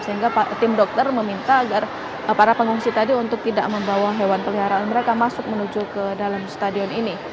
sehingga tim dokter meminta agar para pengungsi tadi untuk tidak membawa hewan peliharaan mereka masuk menuju ke dalam stadion ini